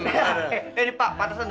eh ini pak pak tarzan